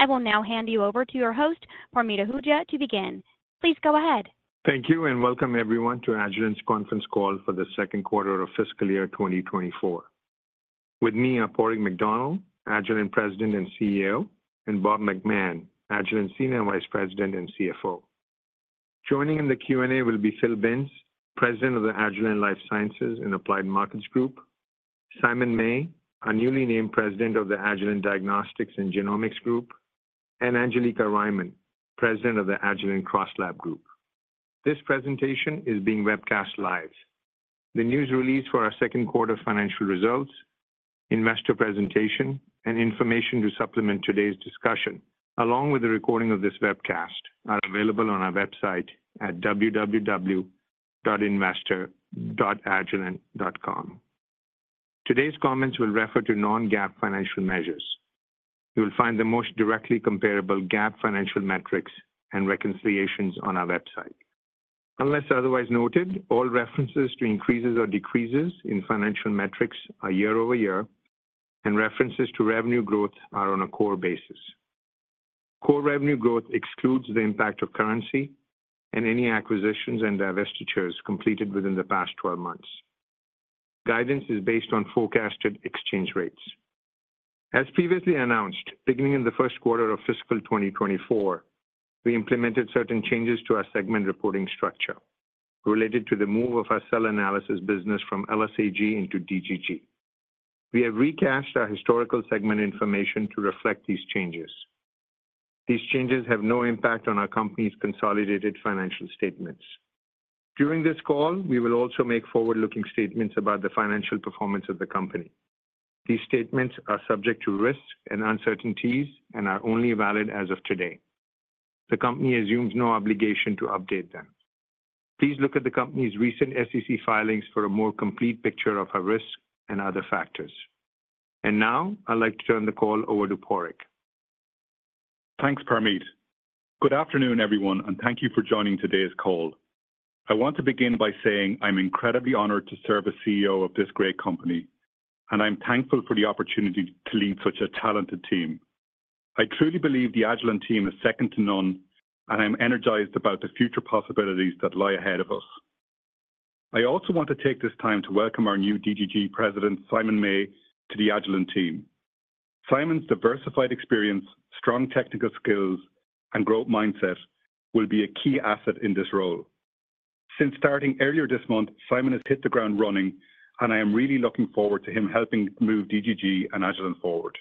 I will now hand you over to your host, Parmeet Ahuja, to begin. Please go ahead. Thank you and welcome everyone to Agilent's conference call for the second quarter of fiscal year 2024. With me are Padraig McDonnell, Agilent's President and CEO, and Bob McMahon, Agilent's Senior Vice President and CFO. Joining in the Q&A will be Phil Binns, President of the Agilent Life Sciences and Applied Markets Group; Simon May, a newly named President of the Agilent Diagnostics and Genomics Group; and Angelica Riemann, President of the Agilent CrossLab Group. This presentation is being webcast live. The news release for our second quarter financial results, investor presentation, and information to supplement today's discussion, along with the recording of this webcast, are available on our website at www.investor.agilent.com. Today's comments will refer to non-GAAP financial measures. You will find the most directly comparable GAAP financial metrics and reconciliations on our website. Unless otherwise noted, all references to increases or decreases in financial metrics are year-over-year, and references to revenue growth are on a core basis. Core revenue growth excludes the impact of currency and any acquisitions and divestitures completed within the past 12 months. Guidance is based on forecasted exchange rates. As previously announced, beginning in the first quarter of fiscal 2024, we implemented certain changes to our segment reporting structure related to the move of our cell analysis business from LSAG into DGG. We have recast our historical segment information to reflect these changes. These changes have no impact on our company's consolidated financial statements. During this call, we will also make forward-looking statements about the financial performance of the company. These statements are subject to risks and uncertainties and are only valid as of today. The company assumes no obligation to update them. Please look at the company's recent SEC filings for a more complete picture of our risks and other factors. Now, I'd like to turn the call over to Parmeet. Thanks, Parmeet. Good afternoon, everyone, and thank you for joining today's call. I want to begin by saying I'm incredibly honored to serve as CEO of this great company, and I'm thankful for the opportunity to lead such a talented team. I truly believe the Agilent team is second to none, and I'm energized about the future possibilities that lie ahead of us. I also want to take this time to welcome our new DGG President, Simon May, to the Agilent team. Simon's diversified experience, strong technical skills, and growth mindset will be a key asset in this role. Since starting earlier this month, Simon has hit the ground running, and I am really looking forward to him helping move DGG and Agilent forward.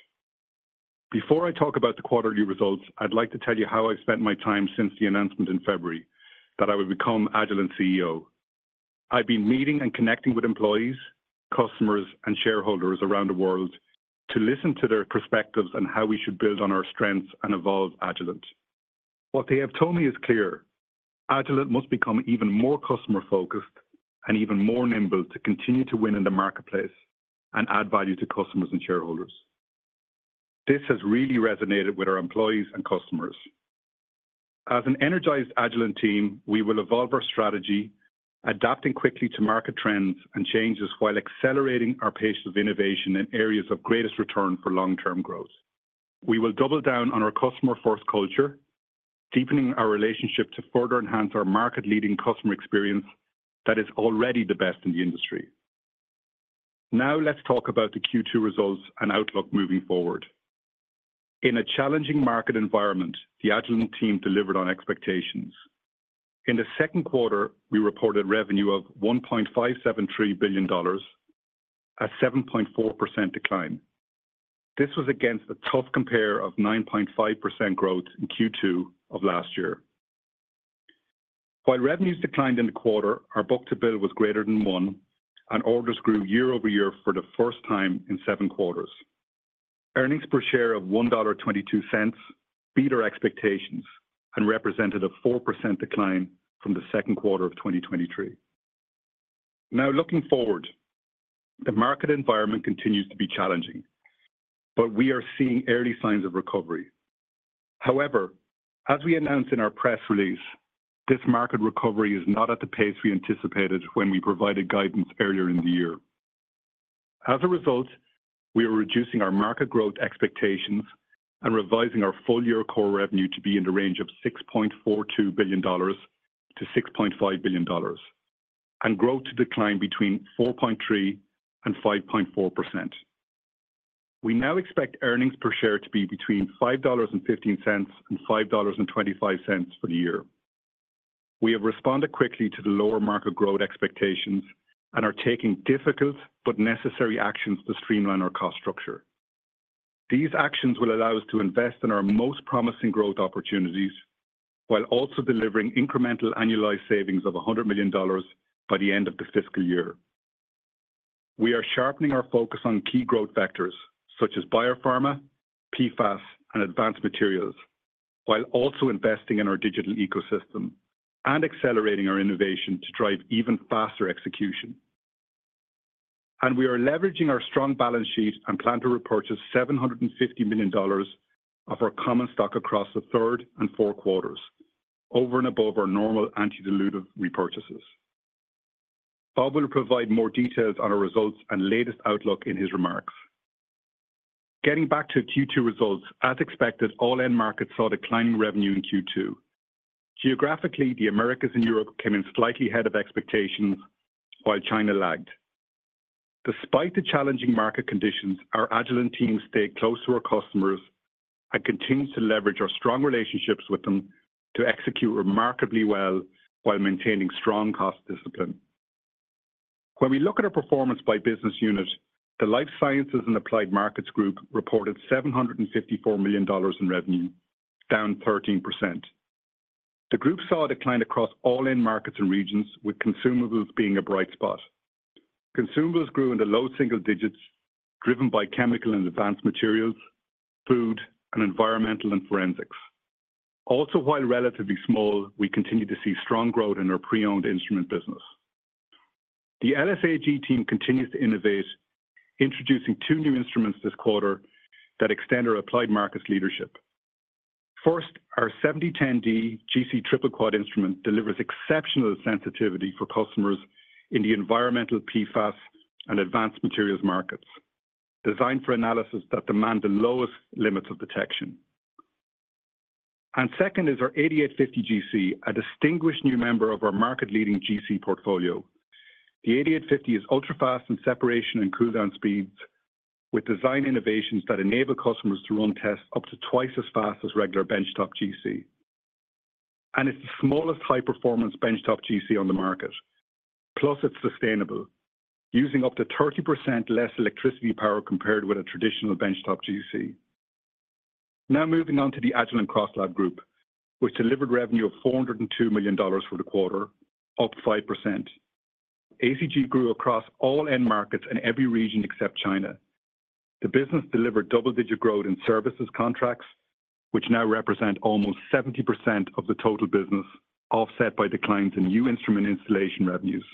Before I talk about the quarterly results, I'd like to tell you how I've spent my time since the announcement in February that I would become Agilent CEO. I've been meeting and connecting with employees, customers, and shareholders around the world to listen to their perspectives on how we should build on our strengths and evolve Agilent. What they have told me is clear: Agilent must become even more customer-focused and even more nimble to continue to win in the marketplace and add value to customers and shareholders. This has really resonated with our employees and customers. As an energized Agilent team, we will evolve our strategy, adapting quickly to market trends and changes while accelerating our pace of innovation in areas of greatest return for long-term growth. We will double down on our customer-first culture, deepening our relationship to further enhance our market-leading customer experience that is already the best in the industry. Now let's talk about the Q2 results and outlook moving forward. In a challenging market environment, the Agilent team delivered on expectations. In the second quarter, we reported revenue of $1.573 billion, a 7.4% decline. This was against a tough compare of 9.5% growth in Q2 of last year. While revenues declined in the quarter, our book-to-bill was greater than one, and orders grew year-over-year for the first time in seven quarters. Earnings per share of $1.22 beat our expectations and represented a 4% decline from the second quarter of 2023. Now, looking forward, the market environment continues to be challenging, but we are seeing early signs of recovery. However, as we announced in our press release, this market recovery is not at the pace we anticipated when we provided guidance earlier in the year. As a result, we are reducing our market growth expectations and revising our full-year core revenue to be in the range of $6.42 billion-$6.5 billion, and growth to decline between 4.3% and 5.4%. We now expect earnings per share to be between $5.15 and $5.25 for the year. We have responded quickly to the lower market growth expectations and are taking difficult but necessary actions to streamline our cost structure. These actions will allow us to invest in our most promising growth opportunities while also delivering incremental annualized savings of $100 million by the end of the fiscal year. We are sharpening our focus on key growth vectors such as biopharma, PFAS, and advanced materials, while also investing in our digital ecosystem and accelerating our innovation to drive even faster execution. And we are leveraging our strong balance sheet and plan to repurchase $750 million of our common stock across the third and fourth quarters, over and above our normal antidilutive repurchases. Bob will provide more details on our results and latest outlook in his remarks. Getting back to Q2 results, as expected, all end markets saw declining revenue in Q2. Geographically, the Americas and Europe came in slightly ahead of expectations, while China lagged. Despite the challenging market conditions, our Agilent team stayed close to our customers and continued to leverage our strong relationships with them to execute remarkably well while maintaining strong cost discipline. When we look at our performance by business unit, the Life Sciences and Applied Markets Group reported $754 million in revenue, down 13%. The group saw a decline across all end markets and regions, with consumables being a bright spot. Consumables grew into low single digits, driven by chemical and advanced materials, food, and environmental and forensics. Also, while relatively small, we continue to see strong growth in our pre-owned instrument business. The LSAG team continues to innovate, introducing two new instruments this quarter that extend our applied markets leadership. First, our 7010D GC Triple Quad instrument delivers exceptional sensitivity for customers in the environmental PFAS and advanced materials markets, designed for analysis that demand the lowest limits of detection. And second is our 8850 GC, a distinguished new member of our market-leading GC portfolio. The 8850 is ultra-fast in separation and cooldown speeds, with design innovations that enable customers to run tests up to twice as fast as regular benchtop GC. It's the smallest high-performance benchtop GC on the market, plus it's sustainable, using up to 30% less electricity power compared with a traditional benchtop GC. Now moving on to the Agilent CrossLab Group, which delivered revenue of $402 million for the quarter, up 5%. ACG grew across all end markets in every region except China. The business delivered double-digit growth in services contracts, which now represent almost 70% of the total business, offset by declines in new instrument installation revenues.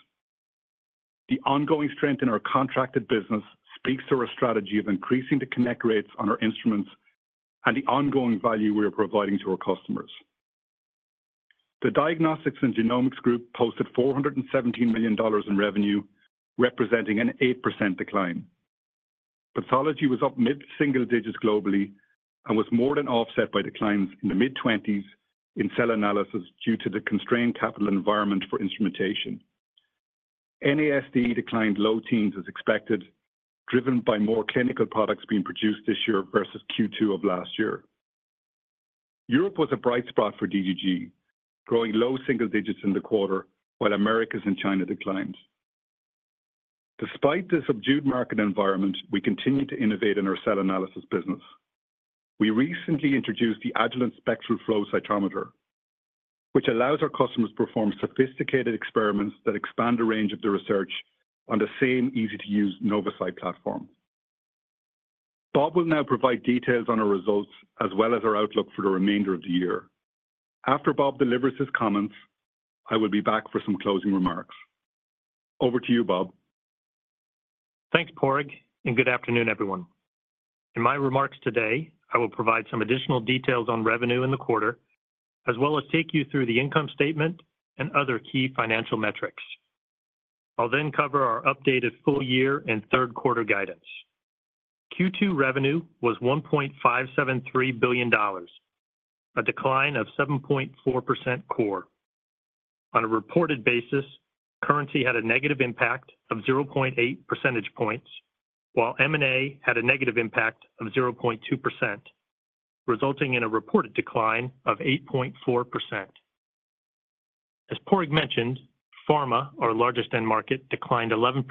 The ongoing strength in our contracted business speaks to our strategy of increasing the connect rates on our instruments and the ongoing value we are providing to our customers. The Diagnostics and Genomics Group posted $417 million in revenue, representing an 8% decline. Pathology was up mid-single digits globally and was more than offset by declines in the mid-20s in cell analysis due to the constrained capital environment for instrumentation. NASD declined low teens as expected, driven by more clinical products being produced this year versus Q2 of last year. Europe was a bright spot for DGG, growing low single digits in the quarter while Americas and China declined. Despite this subdued market environment, we continue to innovate in our cell analysis business. We recently introduced the Agilent Spectral Flow Cytometer, which allows our customers to perform sophisticated experiments that expand the range of their research on the same easy-to-use NovoCyte platform. Bob will now provide details on our results as well as our outlook for the remainder of the year. After Bob delivers his comments, I will be back for some closing remarks. Over to you, Bob. Thanks, Parmeet, and good afternoon, everyone. In my remarks today, I will provide some additional details on revenue in the quarter as well as take you through the income statement and other key financial metrics. I'll then cover our updated full-year and third-quarter guidance. Q2 revenue was $1.573 billion, a decline of 7.4% core. On a reported basis, currency had a negative impact of 0.8 percentage points, while M&A had a negative impact of 0.2%, resulting in a reported decline of 8.4%. As Parmeet mentioned, pharma, our largest end market, declined 11%,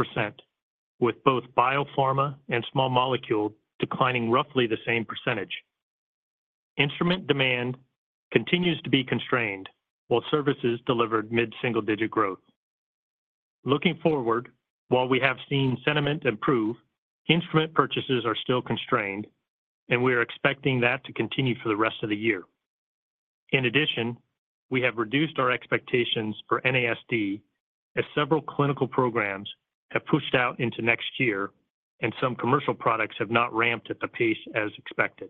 with both biopharma and small molecule declining roughly the same percentage. Instrument demand continues to be constrained while services delivered mid-single digit growth. Looking forward, while we have seen sentiment improve, instrument purchases are still constrained, and we are expecting that to continue for the rest of the year. In addition, we have reduced our expectations for NASD as several clinical programs have pushed out into next year and some commercial products have not ramped at the pace as expected.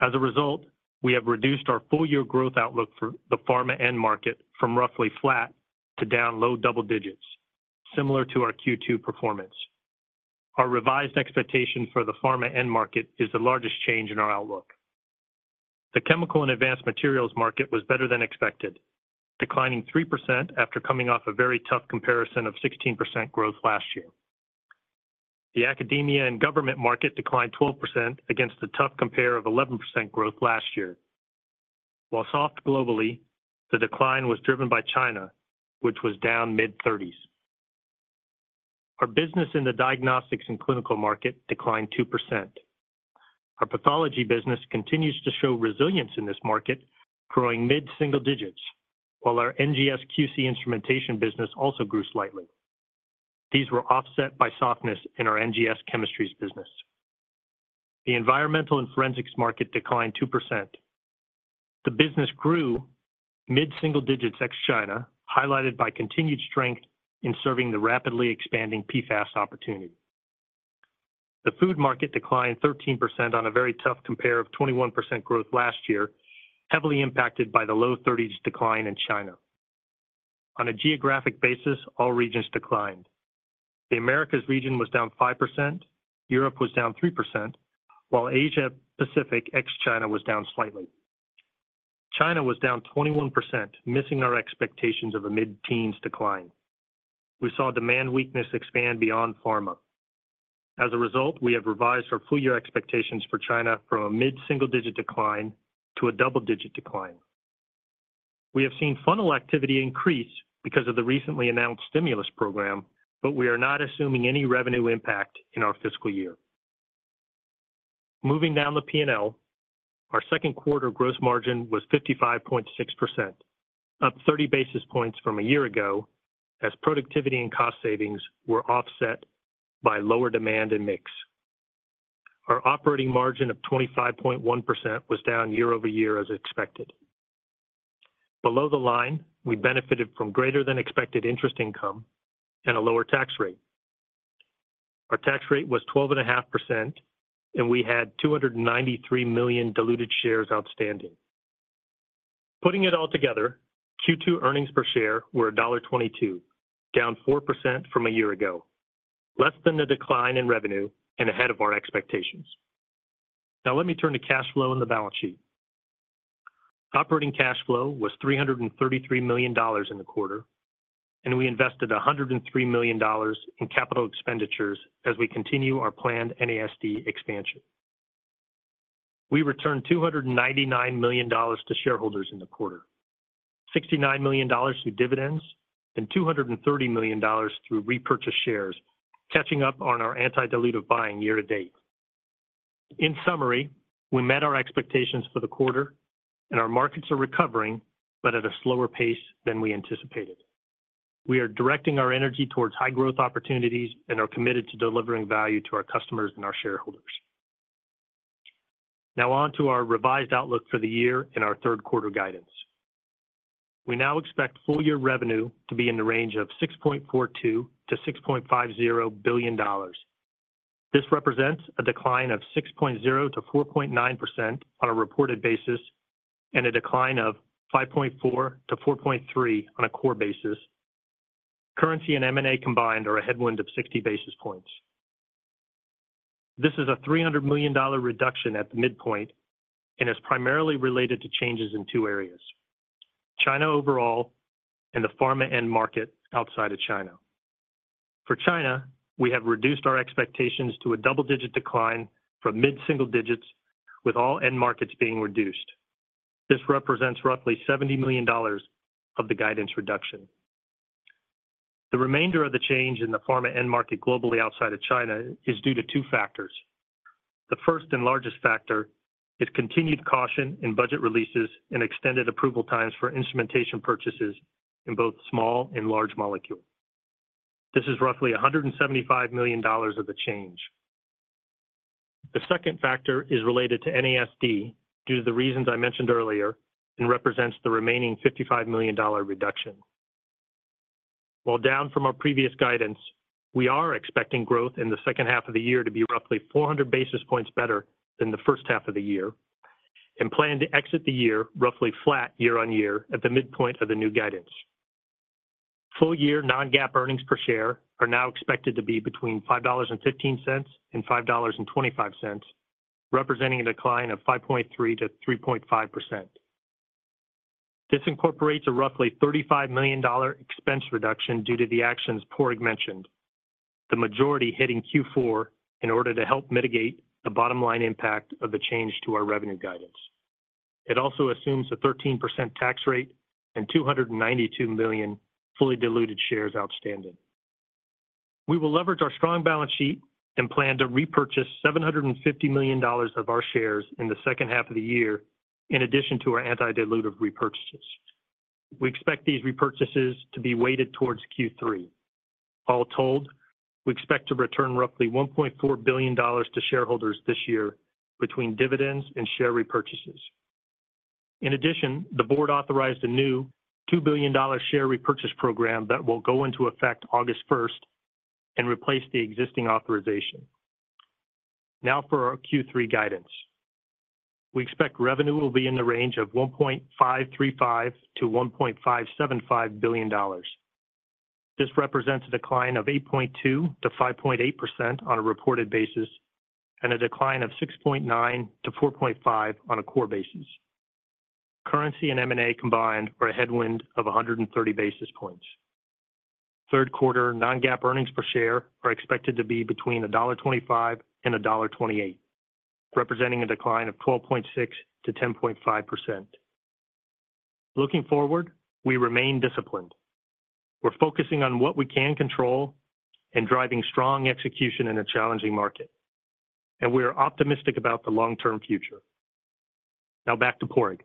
As a result, we have reduced our full-year growth outlook for the pharma end market from roughly flat to down low double digits, similar to our Q2 performance. Our revised expectation for the pharma end market is the largest change in our outlook. The chemical and advanced materials market was better than expected, declining 3% after coming off a very tough comparison of 16% growth last year. The academia and government market declined 12% against a tough compare of 11% growth last year, while soft globally, the decline was driven by China, which was down mid-30s%. Our business in the diagnostics and clinical market declined 2%. Our pathology business continues to show resilience in this market, growing mid-single digits, while our NGS QC instrumentation business also grew slightly. These were offset by softness in our NGS chemistries business. The environmental and forensics market declined 2%. The business grew mid-single digits ex-China, highlighted by continued strength in serving the rapidly expanding PFAS opportunity. The food market declined 13% on a very tough compare of 21% growth last year, heavily impacted by the low 30s decline in China. On a geographic basis, all regions declined. The Americas region was down 5%, Europe was down 3%, while Asia Pacific ex-China was down slightly. China was down 21%, missing our expectations of a mid-teens decline. We saw demand weakness expand beyond pharma. As a result, we have revised our full-year expectations for China from a mid-single digit decline to a double-digit decline. We have seen funnel activity increase because of the recently announced stimulus program, but we are not assuming any revenue impact in our fiscal year. Moving down the P&L, our second-quarter gross margin was 55.6%, up 30 basis points from a year ago as productivity and cost savings were offset by lower demand and mix. Our operating margin of 25.1% was down year-over-year as expected. Below the line, we benefited from greater-than-expected interest income and a lower tax rate. Our tax rate was 12.5%, and we had 293 million diluted shares outstanding. Putting it all together, Q2 earnings per share were $1.22, down 4% from a year ago, less than the decline in revenue and ahead of our expectations. Now let me turn to cash flow in the balance sheet. Operating cash flow was $333 million in the quarter, and we invested $103 million in capital expenditures as we continue our planned NASD expansion. We returned $299 million to shareholders in the quarter, $69 million through dividends, and $230 million through repurchased shares, catching up on our antidilutive buying year to date. In summary, we met our expectations for the quarter, and our markets are recovering but at a slower pace than we anticipated. We are directing our energy towards high-growth opportunities and are committed to delivering value to our customers and our shareholders. Now on to our revised outlook for the year and our third-quarter guidance. We now expect full-year revenue to be in the range of $6.42 billion-$6.50 billion. This represents a decline of 6.0%-4.9% on a reported basis and a decline of 5.4%-4.3% on a core basis. Currency and M&A combined are a headwind of 60 basis points. This is a $300 million reduction at the midpoint and is primarily related to changes in two areas: China overall and the pharma end market outside of China. For China, we have reduced our expectations to a double-digit decline from mid-single digits, with all end markets being reduced. This represents roughly $70 million of the guidance reduction. The remainder of the change in the pharma end market globally outside of China is due to two factors. The first and largest factor is continued caution in budget releases and extended approval times for instrumentation purchases in both small and large molecule. This is roughly $175 million of the change. The second factor is related to NASD due to the reasons I mentioned earlier and represents the remaining $55 million reduction. While down from our previous guidance, we are expecting growth in the second half of the year to be roughly 400 basis points better than the first half of the year and plan to exit the year roughly flat year-on-year at the midpoint of the new guidance. Full-year non-GAAP earnings per share are now expected to be between $5.15 and $5.25, representing a decline of 5.3%-3.5%. This incorporates a roughly $35 million expense reduction due to the actions Padraig mentioned, the majority hitting Q4 in order to help mitigate the bottom-line impact of the change to our revenue guidance. It also assumes a 13% tax rate and 292 million fully diluted shares outstanding. We will leverage our strong balance sheet and plan to repurchase $750 million of our shares in the second half of the year in addition to our antidilutive repurchases. We expect these repurchases to be weighted towards Q3. All told, we expect to return roughly $1.4 billion to shareholders this year between dividends and share repurchases. In addition, the board authorized a new $2 billion share repurchase program that will go into effect August 1 and replace the existing authorization. Now for our Q3 guidance. We expect revenue will be in the range of $1.535 billion-$1.575 billion. This represents a decline of 8.2%-5.8% on a reported basis and a decline of 6.9%-4.5% on a core basis. Currency and M&A combined are a headwind of 130 basis points. Third-quarter non-GAAP earnings per share are expected to be between $1.25 and $1.28, representing a decline of 12.6%-10.5%. Looking forward, we remain disciplined. We're focusing on what we can control and driving strong execution in a challenging market, and we are optimistic about the long-term future. Now back to Padraig.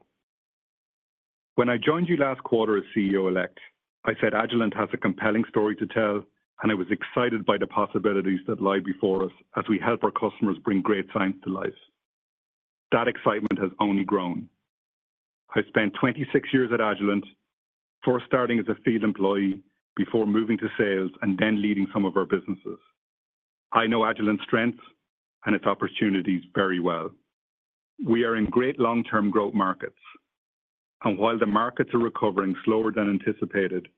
When I joined you last quarter as CEO-elect, I said Agilent has a compelling story to tell, and I was excited by the possibilities that lie before us as we help our customers bring great science to life. That excitement has only grown. I spent 26 years at Agilent, first starting as a field employee before moving to sales and then leading some of our businesses. I know Agilent's strengths and its opportunities very well. We are in great long-term growth markets, and while the markets are recovering slower than anticipated,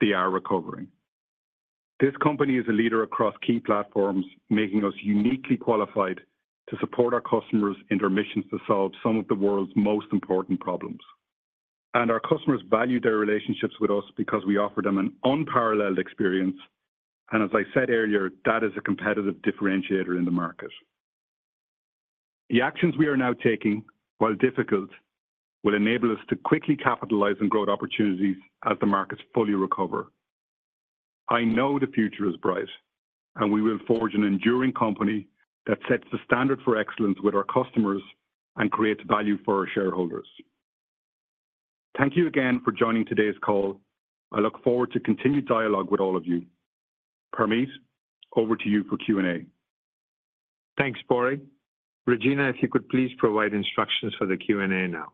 they are recovering. This company is a leader across key platforms, making us uniquely qualified to support our customers in their missions to solve some of the world's most important problems. Our customers value their relationships with us because we offer them an unparalleled experience, and as I said earlier, that is a competitive differentiator in the market. The actions we are now taking, while difficult, will enable us to quickly capitalize on growth opportunities as the markets fully recover. I know the future is bright, and we will forge an enduring company that sets the standard for excellence with our customers and creates value for our shareholders. Thank you again for joining today's call. I look forward to continued dialogue with all of you. Parmeet, over to you for Q&A. Thanks, Parmeet. Regina, if you could please provide instructions for the Q&A now.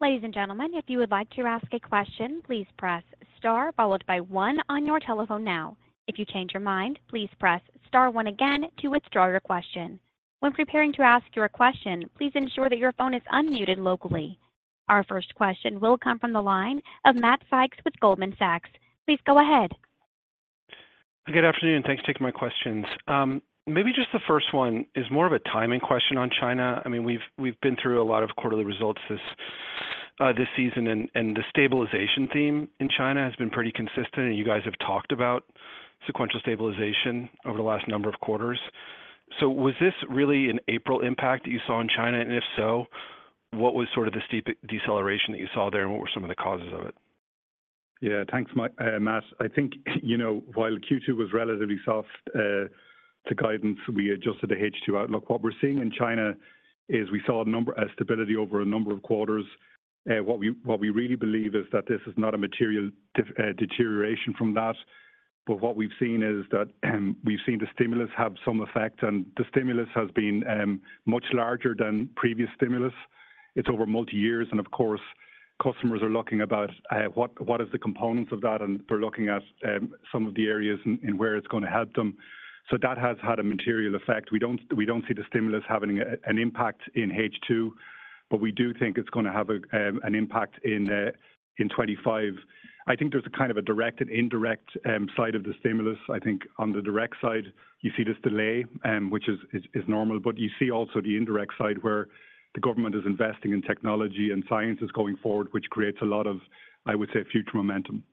Ladies and gentlemen, if you would like to ask a question, please press star followed by one on your telephone now. If you change your mind, please press star one again to withdraw your question. When preparing to ask your question, please ensure that your phone is unmuted locally. Our first question will come from the line of Matt Sykes with Goldman Sachs. Please go ahead. Good afternoon. Thanks for taking my questions. Maybe just the first one is more of a timing question on China. I mean, we've been through a lot of quarterly results this season, and the stabilization theme in China has been pretty consistent, and you guys have talked about sequential stabilization over the last number of quarters. So was this really an April impact that you saw in China? And if so, what was sort of the deceleration that you saw there, and what were some of the causes of it? Yeah. Thanks, Matt. I think while Q2 was relatively soft to guidance, we adjusted the H2 outlook. What we're seeing in China is we saw a number of stability over a number of quarters. What we really believe is that this is not a material deterioration from that, but what we've seen is that we've seen the stimulus have some effect, and the stimulus has been much larger than previous stimulus. It's over multi-years, and of course, customers are looking about what are the components of that, and they're looking at some of the areas in where it's going to help them. So that has had a material effect. We don't see the stimulus having an impact in H2, but we do think it's going to have an impact in 2025. I think there's a kind of a direct and indirect side of the stimulus. I think on the direct side, you see this delay, which is normal, but you see also the indirect side where the government is investing in technology and science is going forward, which creates a lot of, I would say, future momentum.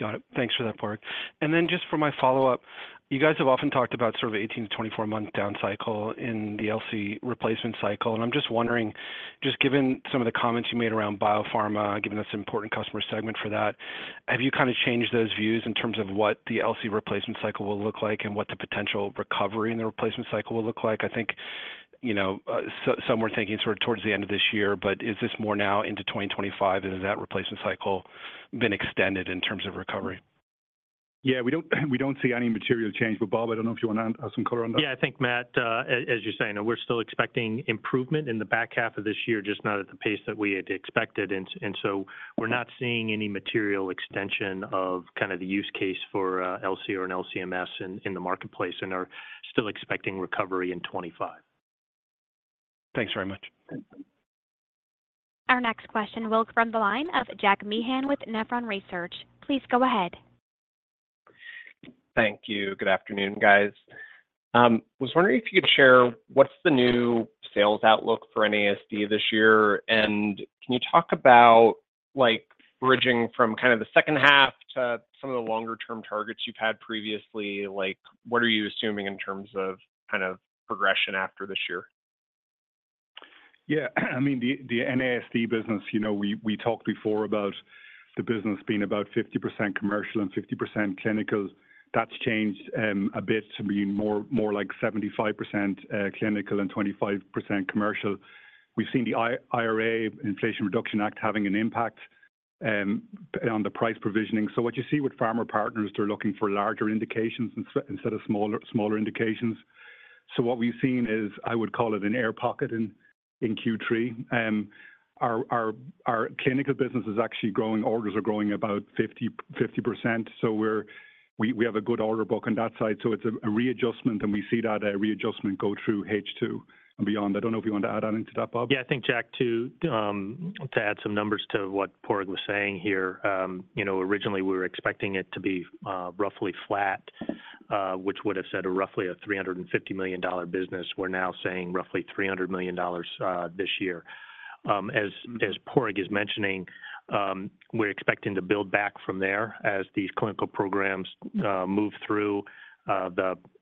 Got it. Thanks for that, Padraig. Then just for my follow-up, you guys have often talked about sort of an 18-24-month down cycle in the LC replacement cycle, and I'm just wondering, just given some of the comments you made around biopharma, given that it's an important customer segment for that, have you kind of changed those views in terms of what the LC replacement cycle will look like and what the potential recovery in the replacement cycle will look like? I think some were thinking sort of towards the end of this year, but is this more now into 2025, and has that replacement cycle been extended in terms of recovery? Yeah. We don't see any material change, but Bob, I don't know if you want to add some color on that. Yeah. I think, Matt, as you're saying, we're still expecting improvement in the back half of this year, just not at the pace that we had expected. And so we're not seeing any material extension of kind of the use case for LC or an LCMS in the marketplace, and are still expecting recovery in 2025. Thanks very much. Our next question will come from the line of Jack Meehan with Nephron Research. Please go ahead. Thank you. Good afternoon, guys. I was wondering if you could share what's the new sales outlook for NASD this year, and can you talk about bridging from kind of the second half to some of the longer-term targets you've had previously? What are you assuming in terms of kind of progression after this year? Yeah. I mean, the NASD business, we talked before about the business being about 50% commercial and 50% clinical. That's changed a bit to being more like 75% clinical and 25% commercial. We've seen the IRA, Inflation Reduction Act, having an impact on the price provisioning. So what you see with pharma partners, they're looking for larger indications instead of smaller indications. So what we've seen is, I would call it an air pocket in Q3. Our clinical business is actually growing. Orders are growing about 50%. So we have a good order book on that side. So it's a readjustment, and we see that readjustment go through H2 and beyond. I don't know if you want to add anything to that, Bob. Yeah. I think, Jack, to add some numbers to what Padraig was saying here. Originally, we were expecting it to be roughly flat, which would have said roughly a $350 million business. We're now saying roughly $300 million this year. As Padraig is mentioning, we're expecting to build back from there as these clinical programs move through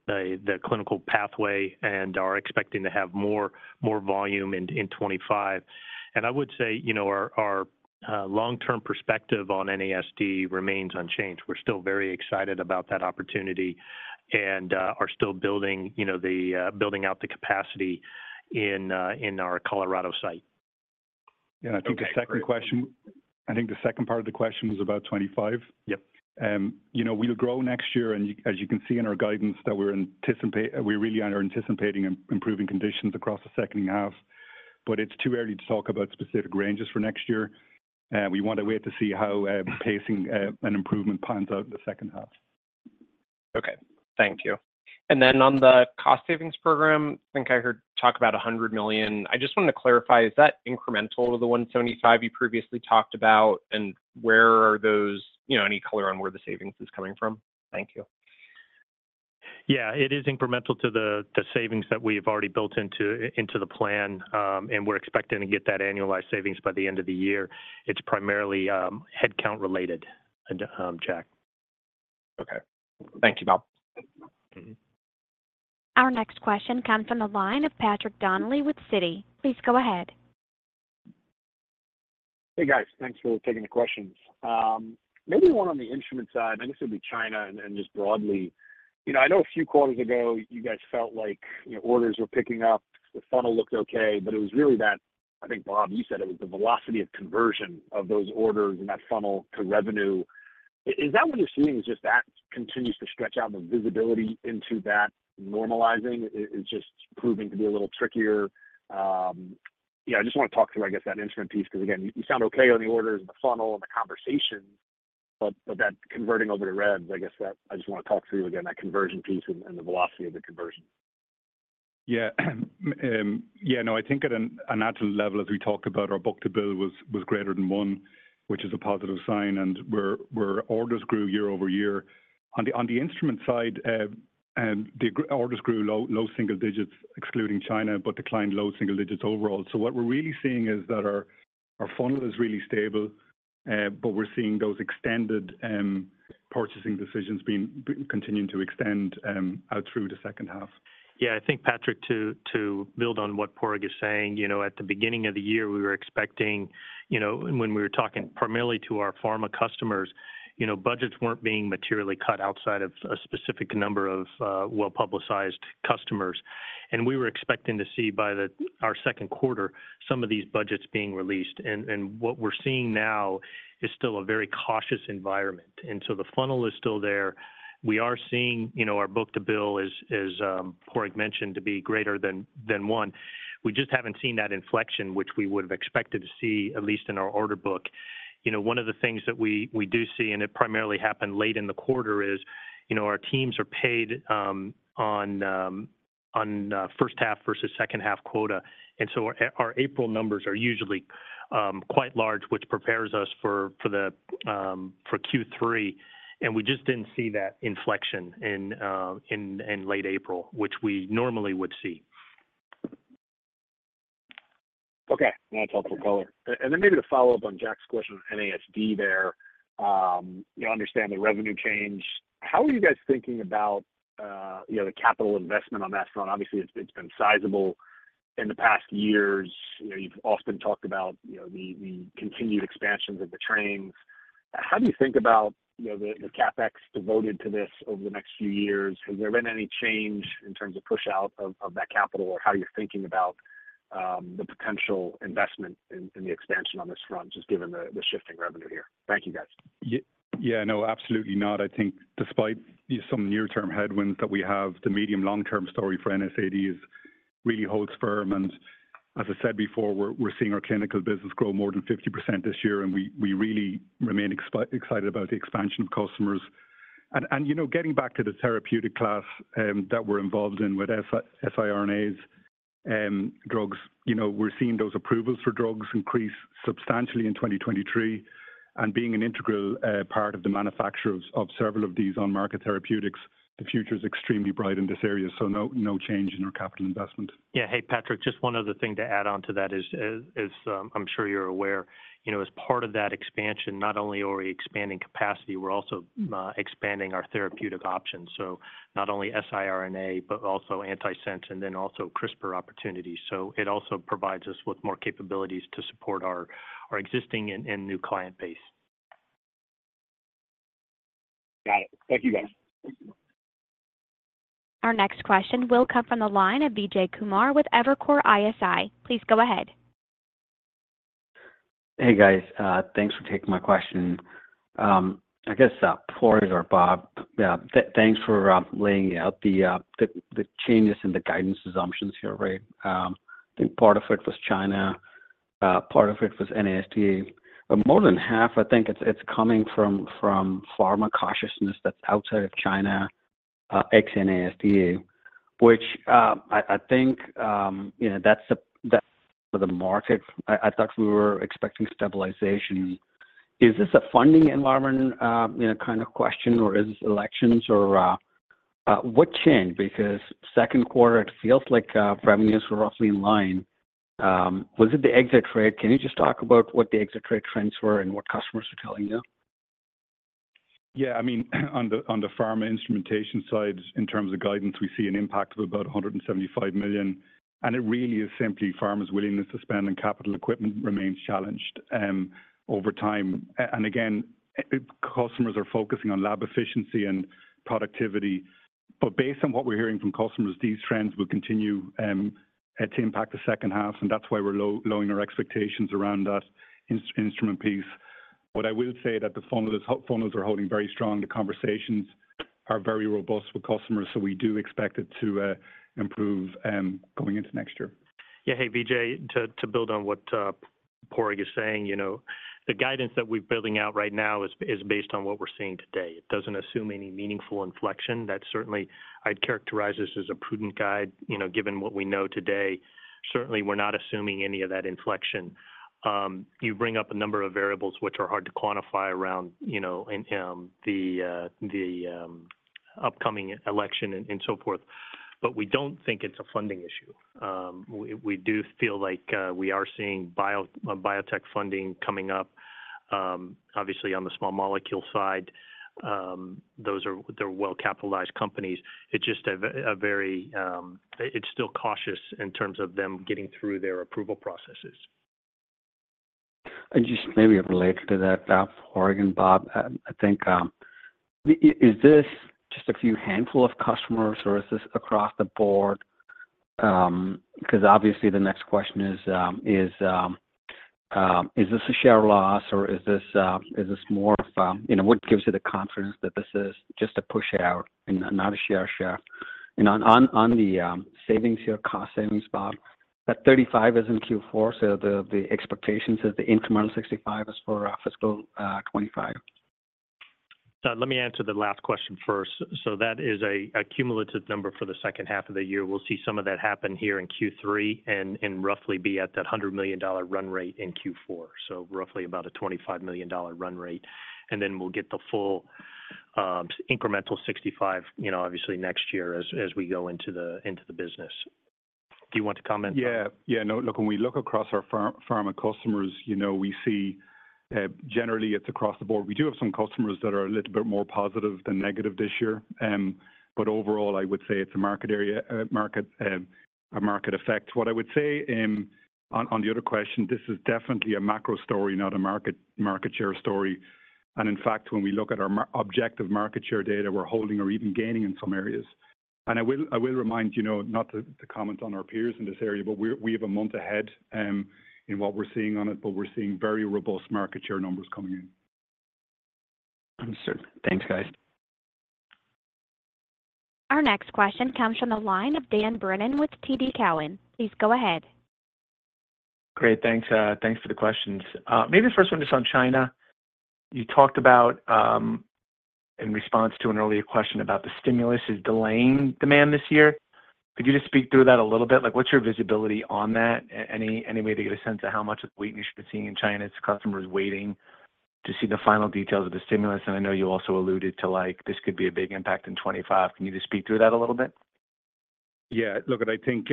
the clinical pathway and are expecting to have more volume in 2025. And I would say our long-term perspective on NASD remains unchanged. We're still very excited about that opportunity and are still building out the capacity in our Colorado site. Yeah. And I think the second question I think the second part of the question was about 2025. We'll grow next year, and as you can see in our guidance, we're really anticipating improving conditions across the second half, but it's too early to talk about specific ranges for next year. We want to wait to see how pacing an improvement pans out in the second half. Okay. Thank you. Then, on the cost savings program, I think I heard talk about $100 million. I just wanted to clarify, is that incremental to the $175 million you previously talked about, and any color on where the savings are coming from? Thank you. Yeah. It is incremental to the savings that we have already built into the plan, and we're expecting to get that annualized savings by the end of the year. It's primarily headcount-related, Jack. Okay. Thank you, Bob. Our next question comes from the line of Patrick Donnelly with Citi. Please go ahead. Hey, guys. Thanks for taking the questions. Maybe one on the instrument side. I guess it would be China and just broadly. I know a few quarters ago, you guys felt like orders were picking up, the funnel looked okay, but it was really that I think, Bob, you said it was the velocity of conversion of those orders and that funnel to revenue. Is that what you're seeing is just that continues to stretch out the visibility into that normalizing? It's just proving to be a little trickier. I just want to talk through, I guess, that instrument piece because, again, you sound okay on the orders and the funnel and the conversation, but that converting over to revenue, I guess that I just want to talk through again, that conversion piece and the velocity of the conversion. Yeah. Yeah. No. I think at an actual level, as we talked about, our book-to-bill was greater than one, which is a positive sign, and where orders grew year-over-year. On the instrument side, the orders grew low single digits, excluding China, but declined low single digits overall. So what we're really seeing is that our funnel is really stable, but we're seeing those extended purchasing decisions continuing to extend out through the second half. Yeah. I think, Patrick, to build on what Padraig is saying, at the beginning of the year, we were expecting when we were talking primarily to our pharma customers, budgets weren't being materially cut outside of a specific number of well-publicized customers, and we were expecting to see by our second quarter some of these budgets being released. What we're seeing now is still a very cautious environment. So the funnel is still there. We are seeing our book-to-bill, as Padraig mentioned, to be greater than one. We just haven't seen that inflection, which we would have expected to see, at least in our order book. One of the things that we do see, and it primarily happened late in the quarter, is our teams are paid on first half versus second half quota. And so our April numbers are usually quite large, which prepares us for Q3, and we just didn't see that inflection in late April, which we normally would see. Okay. That's helpful color. And then maybe to follow up on Jack's question on NASD there, I understand the revenue change. How are you guys thinking about the capital investment on that front? Obviously, it's been sizable in the past years. You've often talked about the continued expansions of the trains. How do you think about the CapEx devoted to this over the next few years? Has there been any change in terms of push-out of that capital or how you're thinking about the potential investment in the expansion on this front, just given the shifting revenue here? Thank you, guys. Yeah. No. Absolutely not. I think despite some near-term headwinds that we have, the medium-long-term story for NASD really holds firm. And as I said before, we're seeing our clinical business grow more than 50% this year, and we really remain excited about the expansion of customers. And getting back to the therapeutic class that we're involved in with siRNA drugs, we're seeing those approvals for drugs increase substantially in 2023. And being an integral part of the manufacture of several of these on-market therapeutics, the future is extremely bright in this area, so no change in our capital investment. Yeah. Hey, Patrick, just one other thing to add on to that is, as I'm sure you're aware, as part of that expansion, not only are we expanding capacity, we're also expanding our therapeutic options. So not only siRNA, but also antisense and then also CRISPR opportunities. So it also provides us with more capabilities to support our existing and new client base. Got it. Thank you, guys. Our next question will come from the line of Vijay Kumar with Evercore ISI. Please go ahead. Hey, guys. Thanks for taking my question. I guess Padraig or Bob, thanks for laying out the changes in the guidance assumptions here, right? I think part of it was China, part of it was NASD. But more than half, I think it's coming from pharma cautiousness that's outside of China, ex-NASD, which I think that's the market. I thought we were expecting stabilization. Is this a funding environment kind of question, or is this elections? Or what changed? Because second quarter, it feels like revenues were roughly in line. Was it the exit rate? Can you just talk about what the exit rate trends were and what customers were telling you? Yeah. I mean, on the pharma instrumentation side, in terms of guidance, we see an impact of about $175 million. And it really is simply pharma's willingness to spend on capital equipment remains challenged over time. And again, customers are focusing on lab efficiency and productivity. But based on what we're hearing from customers, these trends will continue to impact the second half, and that's why we're lowering our expectations around that instrument piece. What I will say is that the funnels are holding very strong. The conversations are very robust with customers, so we do expect it to improve going into next year. Yeah. Hey, Vijay, to build on what Padraig is saying, the guidance that we're building out right now is based on what we're seeing today. It doesn't assume any meaningful inflection. I'd characterize this as a prudent guide. Given what we know today, certainly, we're not assuming any of that inflection. You bring up a number of variables, which are hard to quantify around the upcoming election and so forth, but we don't think it's a funding issue. We do feel like we are seeing biotech funding coming up. Obviously, on the small molecule side, they're well-capitalized companies. It's just a very, it's still cautious in terms of them getting through their approval processes. Just maybe related to that, Padraig and Bob, I think, is this just a few handful of customers or is this across the board? Because obviously, the next question is, is this a share loss, or is this more of what gives you the confidence that this is just a push-out and not a share-share? On the savings here, cost savings, Bob, that $35 is in Q4, so the expectation is the incremental $65 is for fiscal 2025. So let me answer the last question first. So that is a cumulative number for the second half of the year. We'll see some of that happen here in Q3 and roughly be at that $100 million run rate in Q4, so roughly about a $25 million run rate. And then we'll get the full incremental $65 million, obviously, next year as we go into the business. Do you want to comment, Bob? Yeah. Yeah. No. Look, when we look across our pharma customers, we see generally, it's across the board. We do have some customers that are a little bit more positive than negative this year. But overall, I would say it's a market effect. What I would say on the other question, this is definitely a macro story, not a market share story. And in fact, when we look at our objective market share data, we're holding or even gaining in some areas. And I will remind, not to comment on our peers in this area, but we have a month ahead in what we're seeing on it, but we're seeing very robust market share numbers coming in. Understood. Thanks, guys. Our next question comes from the line of Dan Brennan with TD Cowen. Please go ahead. Great. Thanks for the questions. Maybe the first one just on China. You talked about, in response to an earlier question about the stimulus is delaying demand this year. Could you just speak through that a little bit? What's your visibility on that? Any way to get a sense of how much of the weakness you've been seeing in China? It's customers waiting to see the final details of the stimulus. And I know you also alluded to this could be a big impact in 2025. Can you just speak through that a little bit? Yeah. Look, I think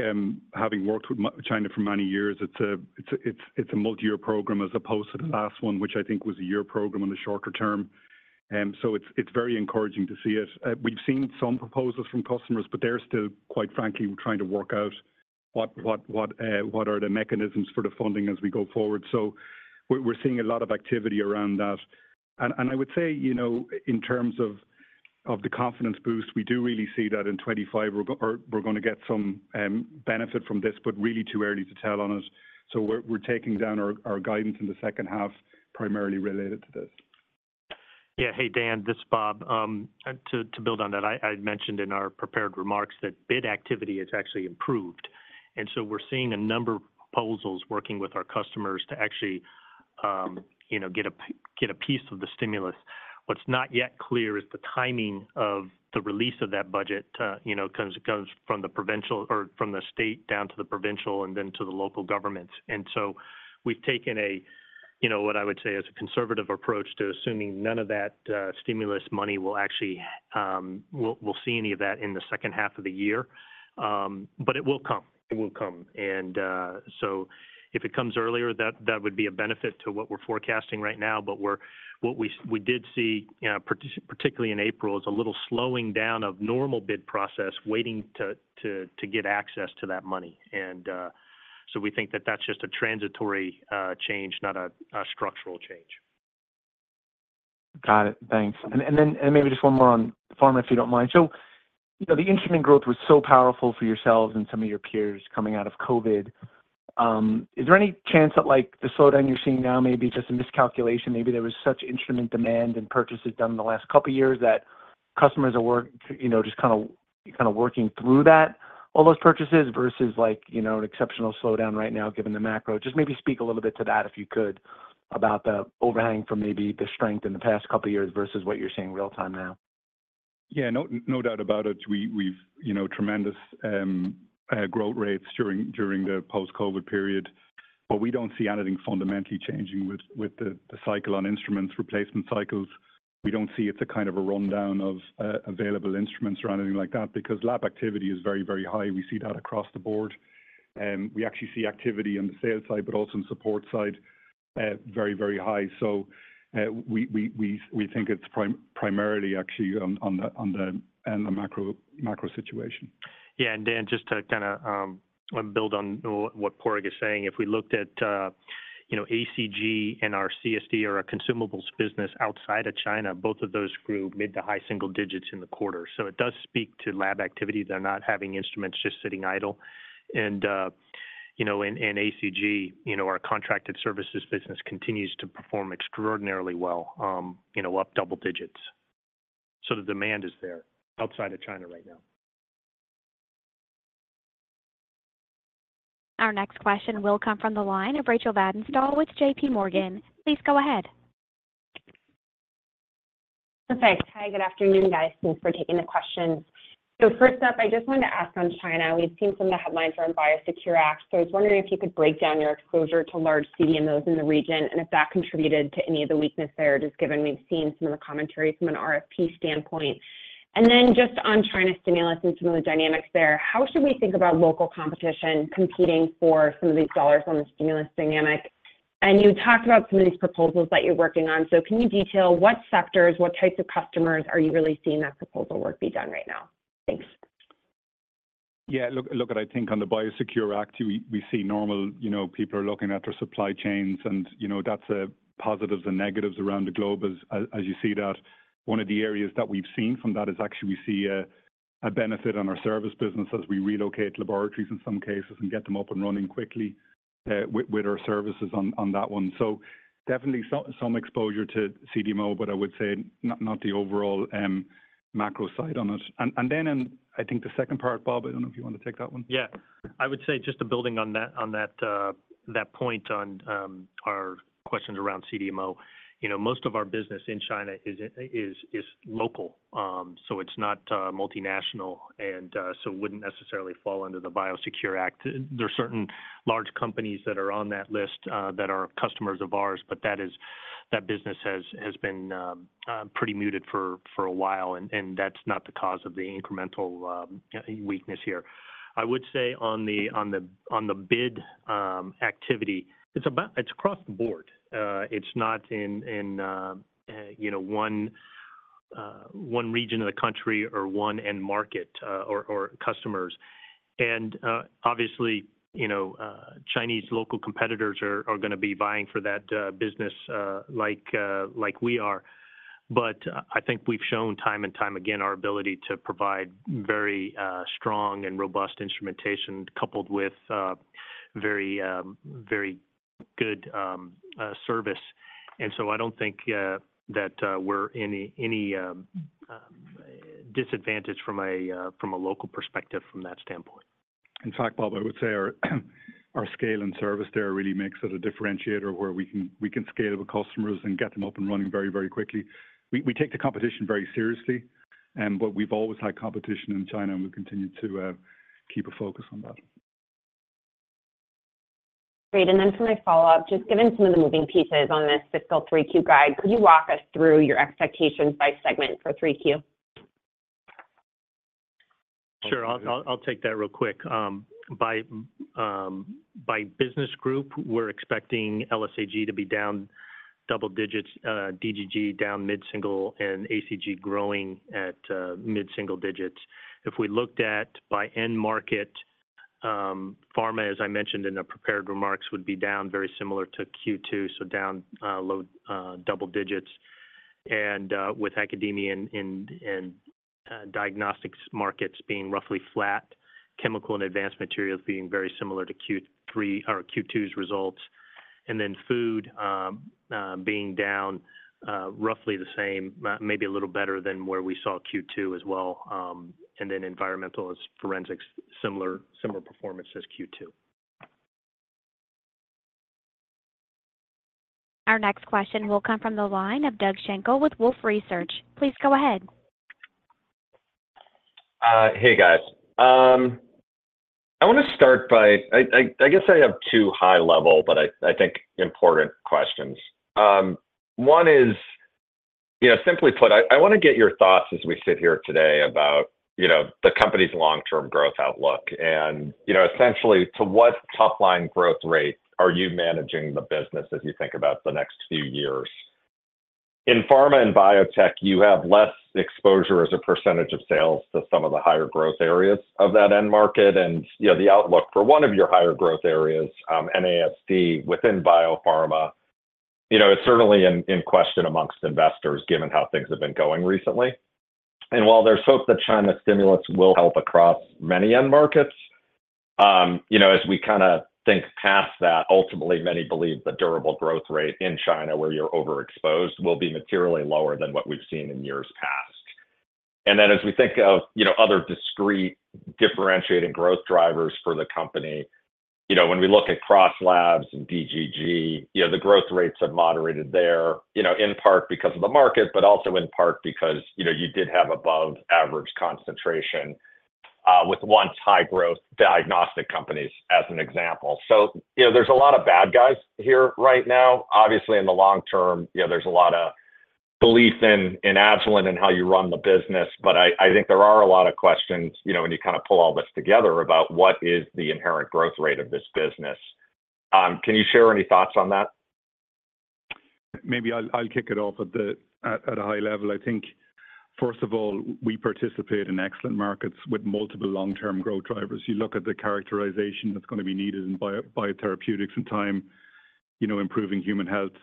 having worked with China for many years, it's a multi-year program as opposed to the last one, which I think was a year program on the shorter term. It's very encouraging to see it. We've seen some proposals from customers, but they're still, quite frankly, trying to work out what are the mechanisms for the funding as we go forward. We're seeing a lot of activity around that. And I would say, in terms of the confidence boost, we do really see that in 2025, we're going to get some benefit from this, but really too early to tell on it. We're taking down our guidance in the second half primarily related to this. Yeah. Hey, Dan. This is Bob. To build on that, I'd mentioned in our prepared remarks that bid activity has actually improved. And so we're seeing a number of proposals working with our customers to actually get a piece of the stimulus. What's not yet clear is the timing of the release of that budget comes from the provincial or from the state down to the provincial and then to the local governments. And so we've taken a, what I would say, as a conservative approach to assuming none of that stimulus money will actually see any of that in the second half of the year. But it will come. It will come. And so if it comes earlier, that would be a benefit to what we're forecasting right now. But what we did see, particularly in April, is a little slowing down of normal bid process waiting to get access to that money. And so we think that that's just a transitory change, not a structural change. Got it. Thanks. And then maybe just one more on pharma, if you don't mind. So the instrument growth was so powerful for yourselves and some of your peers coming out of COVID. Is there any chance that the slowdown you're seeing now may be just a miscalculation? Maybe there was such instrument demand and purchases done in the last couple of years that customers are just kind of working through all those purchases versus an exceptional slowdown right now given the macro. Just maybe speak a little bit to that, if you could, about the overhang from maybe the strength in the past couple of years versus what you're seeing real-time now. Yeah. No doubt about it. We've tremendous growth rates during the post-COVID period. But we don't see anything fundamentally changing with the cycle on instruments replacement cycles. We don't see it's a kind of a rundown of available instruments or anything like that because lab activity is very, very high. We see that across the board. We actually see activity on the sales side, but also on the support side, very, very high. So we think it's primarily actually on the macro situation. Yeah. Dan, just to kind of build on what Padraig is saying, if we looked at ACG and our CSD, or our consumables business outside of China, both of those grew mid to high single digits in the quarter. So it does speak to lab activity. They're not having instruments just sitting idle. And ACG, our contracted services business, continues to perform extraordinarily well, up double digits. So the demand is there outside of China right now. Our next question will come from the line of Rachel Vatnsdal with JPMorgan. Please go ahead. Perfect. Hi. Good afternoon, guys. Thanks for taking the questions. So first up, I just wanted to ask on China. We've seen some of the headlines around Biosecure Act. So I was wondering if you could break down your exposure to large CDMOs in the region and if that contributed to any of the weakness there, just given we've seen some of the commentary from an RFP standpoint. And then just on China stimulus and some of the dynamics there, how should we think about local competition competing for some of these dollars on the stimulus dynamic? And you talked about some of these proposals that you're working on. So can you detail what sectors, what types of customers are you really seeing that proposal work be done right now? Thanks. Yeah. Look, I think on the Biosecure Act, we see normal people are looking at their supply chains, and that's positives and negatives around the globe, as you see that. One of the areas that we've seen from that is actually we see a benefit on our service business as we relocate laboratories in some cases and get them up and running quickly with our services on that one. So definitely some exposure to CDMO, but I would say not the overall macro side on it. And then I think the second part, Bob, I don't know if you want to take that one. Yeah. I would say just building on that point on our questions around CDMO, most of our business in China is local, so it's not multinational, and so it wouldn't necessarily fall under the Biosecure Act. There are certain large companies that are on that list that are customers of ours, but that business has been pretty muted for a while, and that's not the cause of the incremental weakness here. I would say on the bid activity, it's across the board. It's not in one region of the country or one end market or customers. And obviously, Chinese local competitors are going to be vying for that business like we are. But I think we've shown time and time again our ability to provide very strong and robust instrumentation coupled with very good service. I don't think that we're in any disadvantage from a local perspective from that standpoint. In fact, Bob, I would say our scale and service there really makes it a differentiator where we can scale up our customers and get them up and running very, very quickly. We take the competition very seriously, but we've always had competition in China, and we continue to keep a focus on that. Great. And then for my follow-up, just given some of the moving pieces on this fiscal 3Q guide, could you walk us through your expectations by segment for 3Q? Sure. I'll take that real quick. By business group, we're expecting LSAG to be down double digits, DGG down mid-single, and ACG growing at mid-single digits. If we looked at by end market, pharma, as I mentioned in our prepared remarks, would be down very similar to Q2, so down double digits. And with academia and diagnostics markets being roughly flat, chemical and advanced materials being very similar to Q2's results, and then food being down roughly the same, maybe a little better than where we saw Q2 as well. And then environmental as forensics, similar performance as Q2. Our next question will come from the line of Doug Schenkel with Wolfe Research. Please go ahead. Hey, guys. I want to start by, I guess, I have two high-level, but I think important questions. One is, simply put, I want to get your thoughts as we sit here today about the company's long-term growth outlook. And essentially, to what top-line growth rate are you managing the business as you think about the next few years? In pharma and biotech, you have less exposure as a percentage of sales to some of the higher growth areas of that end market. And the outlook for one of your higher growth areas, NASD, within biopharma, is certainly in question amongst investors given how things have been going recently. And while there's hope that China stimulus will help across many end markets, as we kind of think past that, ultimately, many believe the durable growth rate in China where you're overexposed will be materially lower than what we've seen in years past. And then as we think of other discrete differentiating growth drivers for the company, when we look at CrossLab and DGG, the growth rates have moderated there, in part because of the market, but also in part because you did have above-average concentration with once high-growth diagnostic companies as an example. So there's a lot of bad guys here right now. Obviously, in the long term, there's a lot of belief in Agilent and how you run the business. But I think there are a lot of questions when you kind of pull all this together about what is the inherent growth rate of this business. Can you share any thoughts on that? Maybe I'll kick it off at a high level. I think, first of all, we participate in excellent markets with multiple long-term growth drivers. You look at the characterization that's going to be needed in biotherapeutics and time improving human health.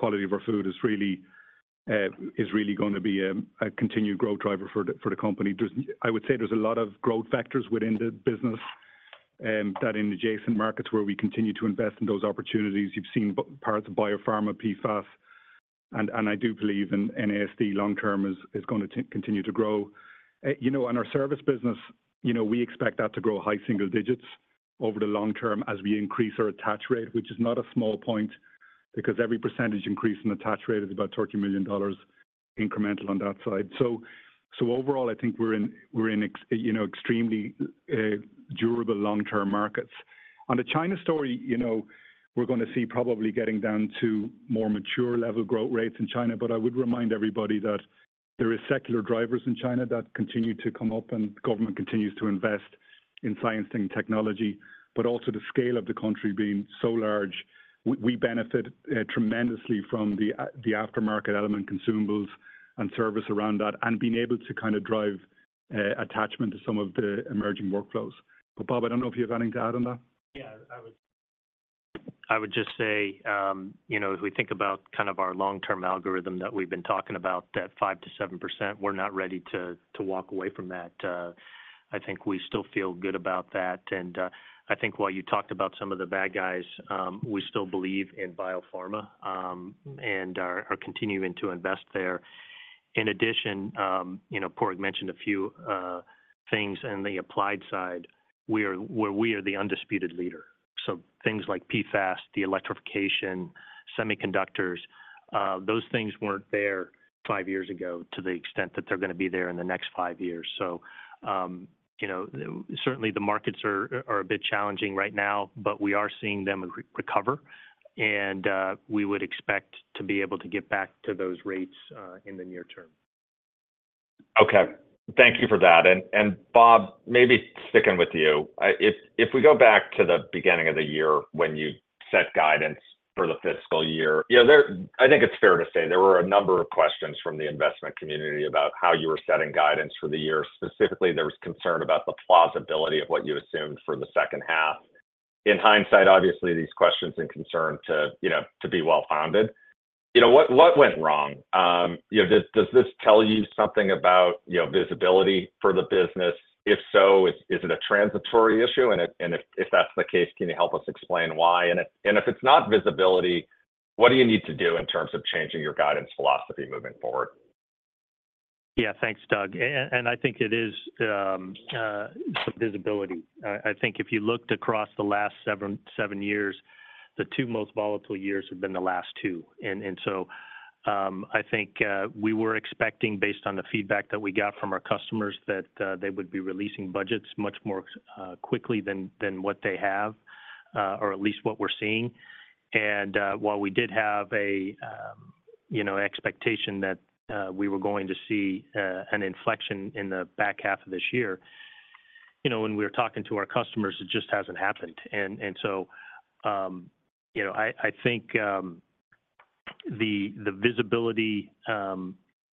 Quality of our food is really going to be a continued growth driver for the company. I would say there's a lot of growth factors within the business that in adjacent markets where we continue to invest in those opportunities, you've seen parts of biopharma, PFAS, and I do believe in NASD long-term is going to continue to grow. And our service business, we expect that to grow high single digits over the long term as we increase our attach rate, which is not a small point because every percentage increase in attach rate is about $30 million incremental on that side. So overall, I think we're in extremely durable long-term markets. On the China story, we're going to see probably getting down to more mature-level growth rates in China. But I would remind everybody that there are secular drivers in China that continue to come up, and government continues to invest in science and technology. But also the scale of the country being so large, we benefit tremendously from the aftermarket element, consumables, and service around that, and being able to kind of drive attachment to some of the emerging workflows. But Bob, I don't know if you have anything to add on that? Yeah. I would just say if we think about kind of our long-term algorithm that we've been talking about, that 5%-7%, we're not ready to walk away from that. I think we still feel good about that. And I think while you talked about some of the bad guys, we still believe in biopharma and are continuing to invest there. In addition, Padraig mentioned a few things in the applied side where we are the undisputed leader. So things like PFAS, the electrification, semiconductors, those things weren't there five years ago to the extent that they're going to be there in the next five years. So certainly, the markets are a bit challenging right now, but we are seeing them recover. And we would expect to be able to get back to those rates in the near term. Okay. Thank you for that. And Bob, maybe sticking with you, if we go back to the beginning of the year when you set guidance for the fiscal year, I think it's fair to say there were a number of questions from the investment community about how you were setting guidance for the year. Specifically, there was concern about the plausibility of what you assumed for the second half. In hindsight, obviously, these questions and concerns were well-founded. What went wrong? Does this tell you something about visibility for the business? If so, is it a transitory issue? And if that's the case, can you help us explain why? And if it's not visibility, what do you need to do in terms of changing your guidance philosophy moving forward? Yeah. Thanks, Doug. And I think it is some visibility. I think if you looked across the last seven years, the two most volatile years have been the last two. And so I think we were expecting, based on the feedback that we got from our customers, that they would be releasing budgets much more quickly than what they have, or at least what we're seeing. And while we did have an expectation that we were going to see an inflection in the back half of this year, when we were talking to our customers, it just hasn't happened. And so I think the visibility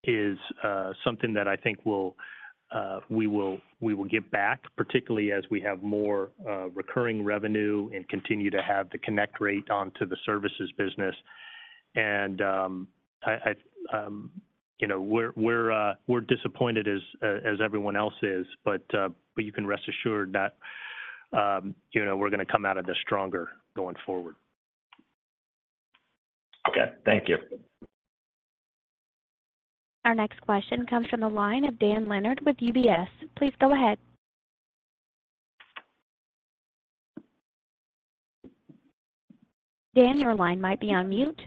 is something that I think we will get back, particularly as we have more recurring revenue and continue to have the connect rate onto the services business. We're disappointed as everyone else is, but you can rest assured that we're going to come out of this stronger going forward. Okay. Thank you. Our next question comes from the line of Dan Leonard with UBS. Please go ahead. Dan, your line might be on mute.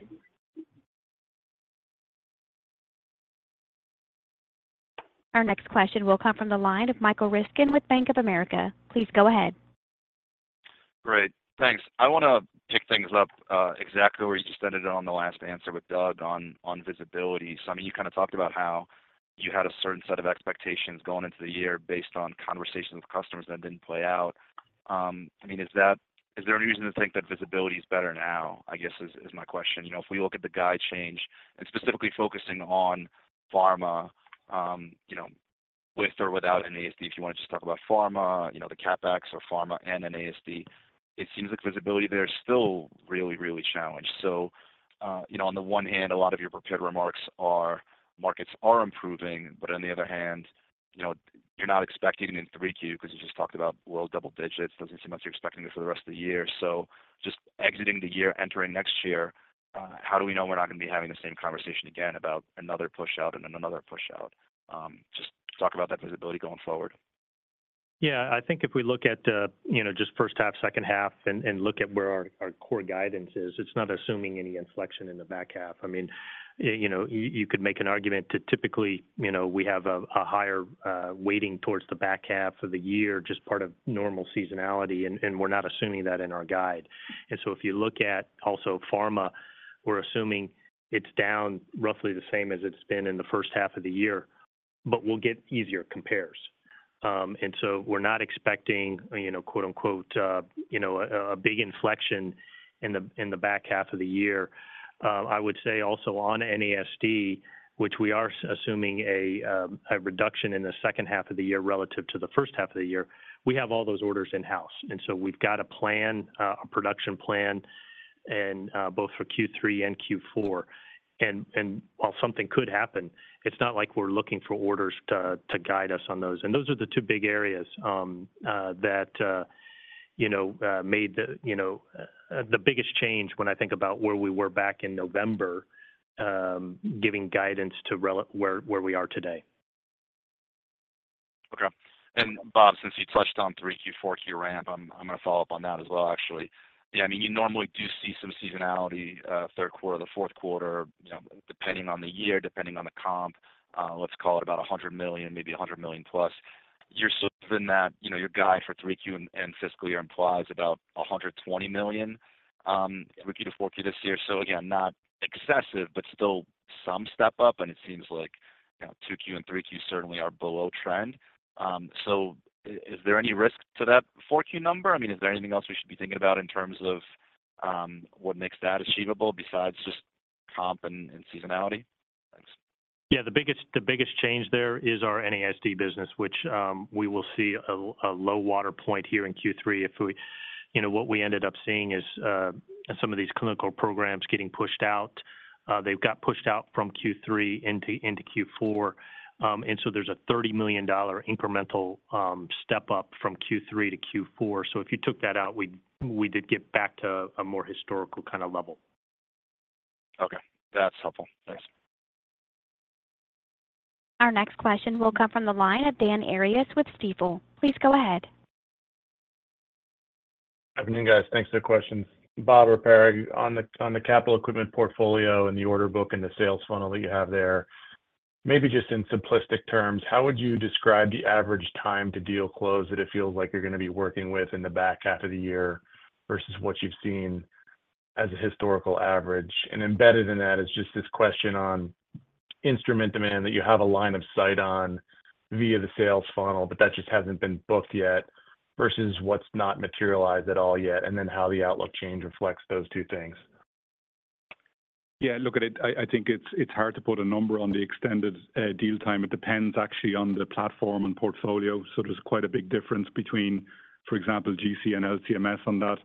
Our next question will come from the line of Michael Ryskin with Bank of America. Please go ahead. Great. Thanks. I want to pick things up exactly where you just ended on the last answer with Doug on visibility. So I mean, you kind of talked about how you had a certain set of expectations going into the year based on conversations with customers that didn't play out. I mean, is there any reason to think that visibility is better now? I guess is my question. If we look at the guide change and specifically focusing on pharma with or without NASD, if you want to just talk about pharma, the CapEx or pharma and NASD, it seems like visibility there is still really, really challenged. So on the one hand, a lot of your prepared remarks are markets are improving, but on the other hand, you're not expecting it in 3Q because you just talked about low double digits. Doesn't seem like you're expecting it for the rest of the year. So just exiting the year, entering next year, how do we know we're not going to be having the same conversation again about another pushout and another pushout? Just talk about that visibility going forward. Yeah. I think if we look at just first half, second half, and look at where our core guidance is, it's not assuming any inflection in the back half. I mean, you could make an argument to typically we have a higher weighting towards the back half of the year, just part of normal seasonality, and we're not assuming that in our guide. And so if you look at also pharma, we're assuming it's down roughly the same as it's been in the first half of the year, but we'll get easier compares. And so we're not expecting, quote-unquote, "a big inflection" in the back half of the year. I would say also on NASD, which we are assuming a reduction in the second half of the year relative to the first half of the year, we have all those orders in-house. And so we've got a plan, a production plan, both for Q3 and Q4. And while something could happen, it's not like we're looking for orders to guide us on those. And those are the two big areas that made the biggest change when I think about where we were back in November giving guidance to where we are today. Okay. And Bob, since you touched on 3Q, 4Q ramp, I'm going to follow up on that as well, actually. Yeah. I mean, you normally do see some seasonality, third quarter, the fourth quarter, depending on the year, depending on the comp, let's call it about $100 million, maybe $100 million plus. You're sort of in that. Your guide for 3Q and fiscal year implies about $120 million 3Q to 4Q this year. So again, not excessive, but still some step up. It seems like 2Q and 3Q certainly are below trend. So is there any risk to that 4Q number? I mean, is there anything else we should be thinking about in terms of what makes that achievable besides just comp and seasonality? Thanks. Yeah. The biggest change there is our NASD business, which we will see a low water point here in Q3. What we ended up seeing is some of these clinical programs getting pushed out. They've got pushed out from Q3 into Q4. So there's a $30 million incremental step up from Q3 to Q4. If you took that out, we did get back to a more historical kind of level. Okay. That's helpful. Thanks. Our next question will come from the line of Dan Arias with Stifel. Please go ahead. Good evening, guys. Thanks for the questions. Bob McMahon, on the capital equipment portfolio and the order book and the sales funnel that you have there, maybe just in simplistic terms, how would you describe the average time-to-deal close that it feels like you're going to be working with in the back half of the year versus what you've seen as a historical average? And embedded in that is just this question on instrument demand that you have a line of sight on via the sales funnel, but that just hasn't been booked yet versus what's not materialized at all yet, and then how the outlook change reflects those two things. Yeah. Look at it, I think it's hard to put a number on the extended deal time. It depends actually on the platform and portfolio. So there's quite a big difference between, for example, GC and LC/MS on that.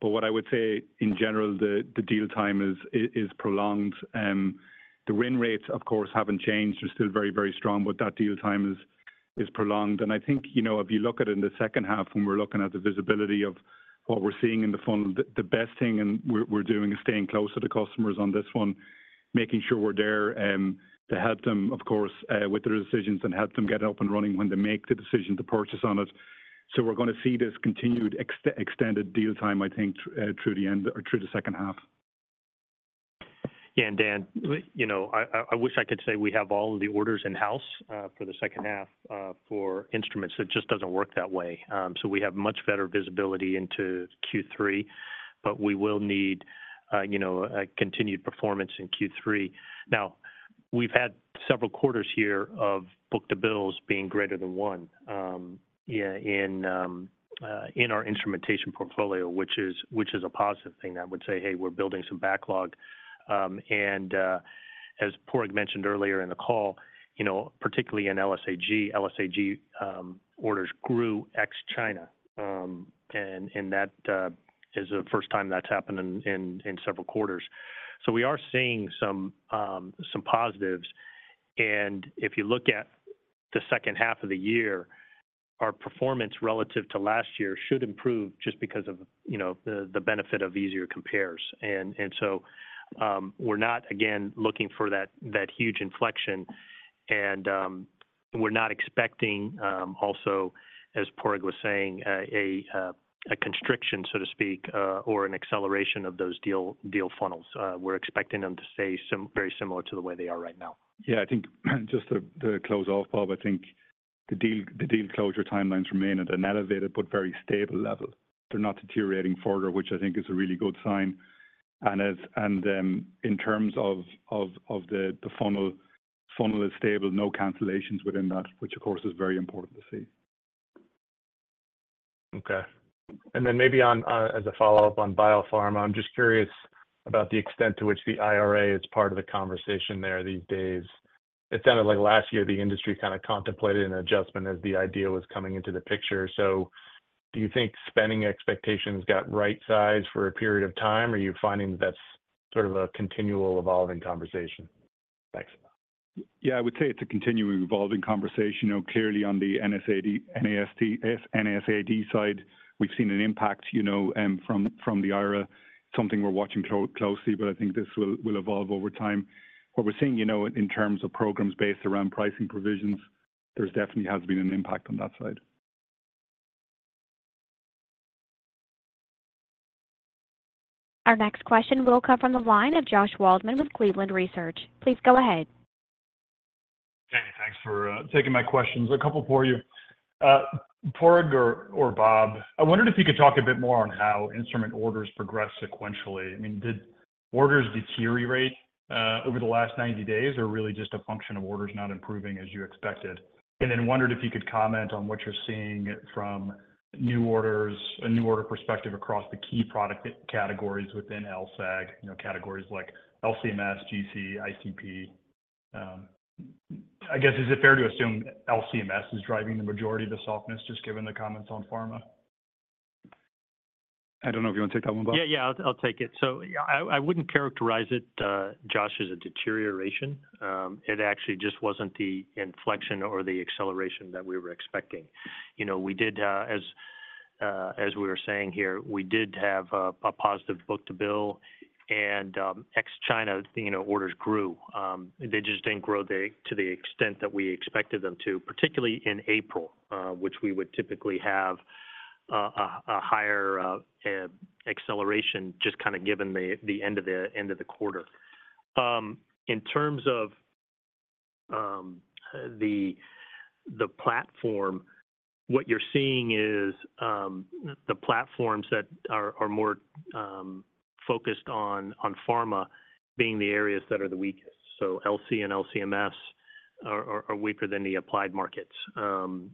But what I would say, in general, the deal time is prolonged. The win rates, of course, haven't changed. They're still very, very strong, but that deal time is prolonged. And I think if you look at it in the second half when we're looking at the visibility of what we're seeing in the funnel, the best thing we're doing is staying closer to customers on this one, making sure we're there to help them, of course, with their decisions and help them get it up and running when they make the decision to purchase on it. We're going to see this continued extended deal time, I think, through the end or through the second half. Yeah. And Dan, I wish I could say we have all of the orders in-house for the second half for instruments. It just doesn't work that way. So we have much better visibility into Q3, but we will need a continued performance in Q3. Now, we've had several quarters here of book-to-bill being greater than one in our instrumentation portfolio, which is a positive thing. That would say, "Hey, we're building some backlog." And as Padraig mentioned earlier in the call, particularly in LSAG, LSAG orders grew ex-China. And that is the first time that's happened in several quarters. So we are seeing some positives. And if you look at the second half of the year, our performance relative to last year should improve just because of the benefit of easier compares. And so we're not, again, looking for that huge inflection. We're not expecting also, as Padraig was saying, a constriction, so to speak, or an acceleration of those deal funnels. We're expecting them to stay very similar to the way they are right now. Yeah. I think just to close off, Bob, I think the deal closure timelines remain at an elevated but very stable level. They're not deteriorating further, which I think is a really good sign. In terms of the funnel, funnel is stable, no cancellations within that, which, of course, is very important to see. Okay. And then maybe as a follow-up on biopharma, I'm just curious about the extent to which the IRA is part of the conversation there these days. It sounded like last year, the industry kind of contemplated an adjustment as the idea was coming into the picture. So do you think spending expectations got right size for a period of time, or are you finding that that's sort of a continual evolving conversation? Thanks. Yeah. I would say it's a continuing evolving conversation. Clearly, on the NASD side, we've seen an impact from the IRA, something we're watching closely, but I think this will evolve over time. What we're seeing in terms of programs based around pricing provisions, there definitely has been an impact on that side. Our next question will come from the line of Josh Waldman with Cleveland Research. Please go ahead. Okay. Thanks for taking my questions. A couple for you. Padraig or Bob, I wondered if you could talk a bit more on how instrument orders progress sequentially. I mean, did orders deteriorate over the last 90 days, or really just a function of orders not improving as you expected? And then wondered if you could comment on what you're seeing from a new order perspective across the key product categories within LSAG, categories like LC/MS, GC, ICP. I guess, is it fair to assume LC/MS is driving the majority of the softness, just given the comments on pharma? I don't know if you want to take that one, Bob. Yeah. Yeah. I'll take it. So I wouldn't characterize it, Josh, as a deterioration. It actually just wasn't the inflection or the acceleration that we were expecting. We did, as we were saying here, we did have a positive book-to-bill, and ex-China orders grew. They just didn't grow to the extent that we expected them to, particularly in April, which we would typically have a higher acceleration just kind of given the end of the quarter. In terms of the platform, what you're seeing is the platforms that are more focused on pharma being the areas that are the weakest. So LC and LC/MS are weaker than the applied markets. And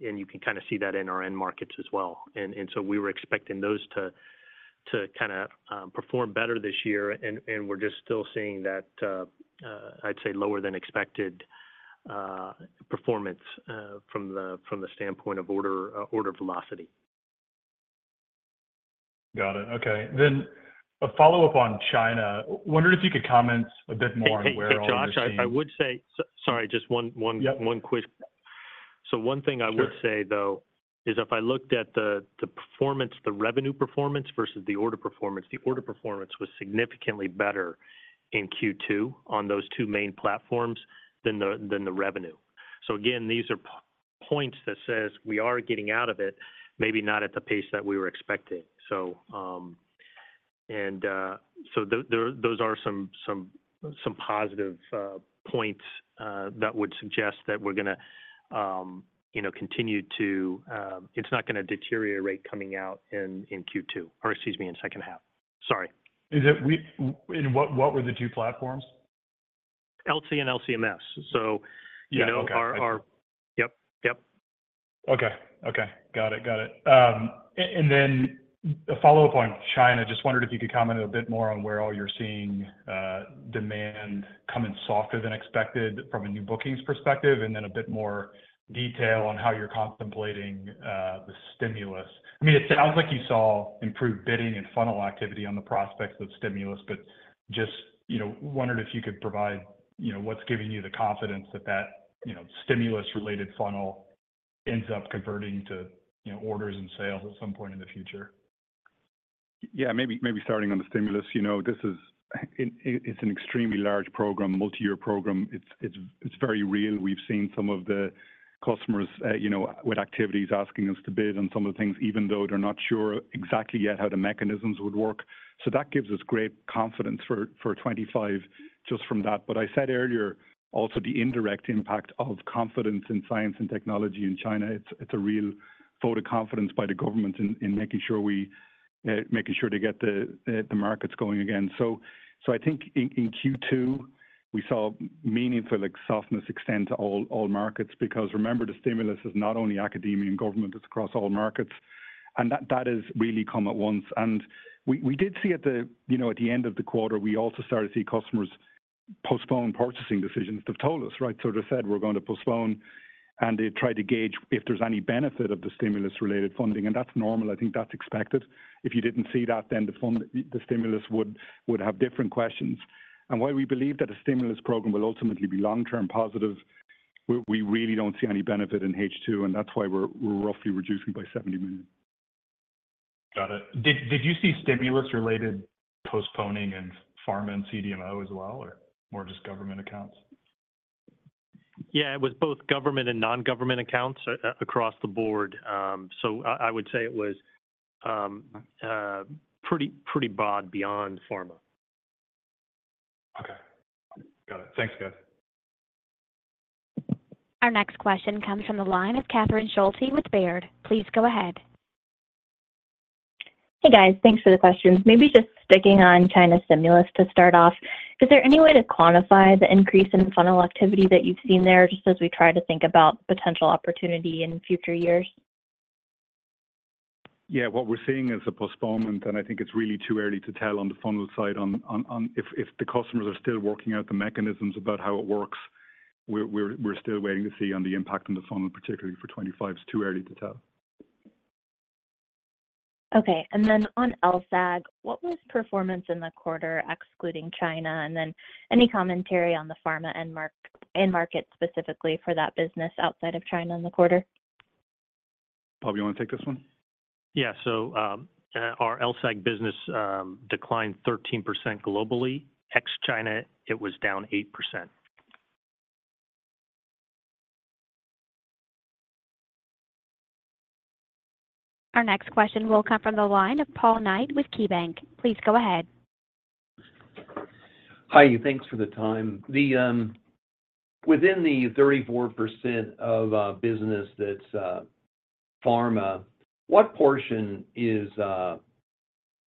you can kind of see that in our end markets as well. And so we were expecting those to kind of perform better this year, and we're just still seeing that, I'd say, lower than expected performance from the standpoint of order velocity. Got it. Okay. Then a follow-up on China. Wondered if you could comment a bit more on where all things stand. Hey, Josh, I would say, sorry, just one quick. So one thing I would say, though, is if I looked at the performance, the revenue performance versus the order performance, the order performance was significantly better in Q2 on those two main platforms than the revenue. So again, these are points that say we are getting out of it, maybe not at the pace that we were expecting. And so those are some positive points that would suggest that we're going to continue to, it's not going to deteriorate coming out in Q2 or, excuse me, in second half. Sorry. What were the two platforms? LC and LC/MS. So our yep. Yep. Okay. Okay. Got it. Got it. And then a follow-up on China. Just wondered if you could comment a bit more on where all you're seeing demand coming softer than expected from a new bookings perspective, and then a bit more detail on how you're contemplating the stimulus. I mean, it sounds like you saw improved bidding and funnel activity on the prospects of stimulus, but just wondered if you could provide what's giving you the confidence that that stimulus-related funnel ends up converting to orders and sales at some point in the future. Yeah. Maybe starting on the stimulus. This is an extremely large program, multi-year program. It's very real. We've seen some of the customers with activities asking us to bid on some of the things, even though they're not sure exactly yet how the mechanisms would work. So that gives us great confidence for 2025 just from that. But I said earlier, also, the indirect impact of confidence in science and technology in China. It's a real vote of confidence by the government in making sure we making sure they get the markets going again. So I think in Q2, we saw meaningful softness extend to all markets because remember, the stimulus is not only academia and government, it's across all markets. And that has really come at once. We did see at the end of the quarter, we also started to see customers postpone purchasing decisions that have told us, right? So they said, "We're going to postpone." They tried to gauge if there's any benefit of the stimulus-related funding. And that's normal. I think that's expected. If you didn't see that, then the stimulus would have different questions. While we believe that a stimulus program will ultimately be long-term positive, we really don't see any benefit in H2. That's why we're roughly reducing by $70 million. Got it. Did you see stimulus-related postponing in pharma and CDMO as well, or more just government accounts? Yeah. It was both government and non-government accounts across the board. So I would say it was pretty broad beyond pharma. Okay. Got it. Thanks, guys. Our next question comes from the line of Catherine Schulte with Baird. Please go ahead. Hey, guys. Thanks for the questions. Maybe just sticking on China stimulus to start off, is there any way to quantify the increase in funnel activity that you've seen there just as we try to think about potential opportunity in future years? Yeah. What we're seeing is a postponement, and I think it's really too early to tell on the funnel side. If the customers are still working out the mechanisms about how it works, we're still waiting to see on the impact on the funnel, particularly for 2025. It's too early to tell. Okay. And then on LSAG, what was performance in the quarter excluding China? And then any commentary on the pharma end market specifically for that business outside of China in the quarter? Bob, you want to take this one? Yeah. So our LSAG business declined 13% globally. Ex-China, it was down 8%. Our next question will come from the line of Paul Knight with KeyBanc. Please go ahead. Hi. Thanks for the time. Within the 34% of business that's pharma, what portion is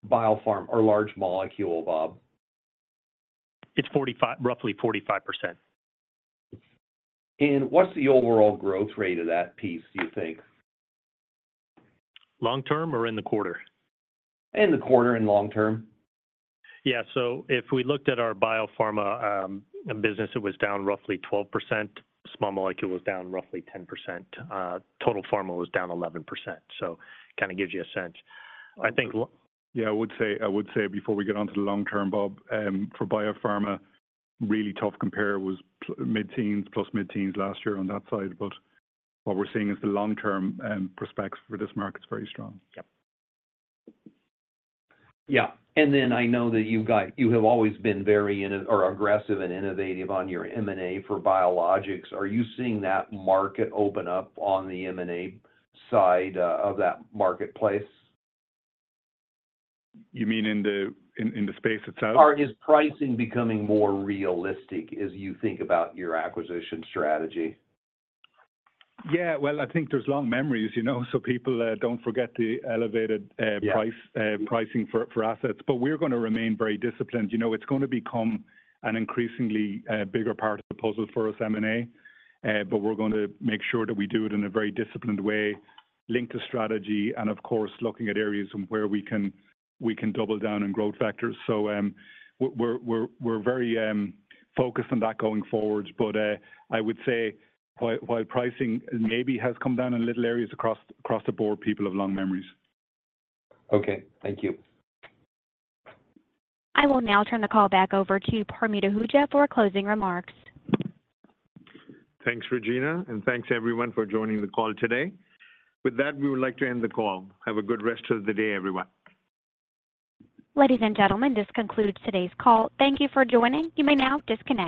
biopharma or large molecule, Bob? It's roughly 45%. What's the overall growth rate of that piece, do you think? Long-term or in the quarter? In the quarter and long-term. Yeah. So if we looked at our biopharma business, it was down roughly 12%. Small molecule was down roughly 10%. Total pharma was down 11%. So it kind of gives you a sense. I think. Yeah. I would say before we get on to the long-term, Bob, for biopharma, really tough compare was mid-teens plus mid-teens last year on that side. But what we're seeing is the long-term prospects for this market's very strong. Yep. Yeah. And then I know that you have always been very aggressive and innovative on your M&A for biologics. Are you seeing that market open up on the M&A side of that marketplace? You mean in the space itself? Is pricing becoming more realistic as you think about your acquisition strategy? Yeah. Well, I think there's long memories, so people don't forget the elevated pricing for assets. But we're going to remain very disciplined. It's going to become an increasingly bigger part of the puzzle for us, M&A. But we're going to make sure that we do it in a very disciplined way, linked to strategy, and, of course, looking at areas where we can double down on growth factors. So we're very focused on that going forward. But I would say while pricing maybe has come down in little areas across the board, people have long memories. Okay. Thank you. I will now turn the call back over to Parmeet Ahuja for closing remarks. Thanks, Regina. Thanks, everyone, for joining the call today. With that, we would like to end the call. Have a good rest of the day, everyone. Ladies and gentlemen, this concludes today's call. Thank you for joining. You may now disconnect.